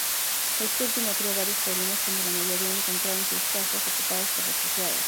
Esto último creó varios problemas cuando la mayoría encontraron sus casas ocupadas por refugiados.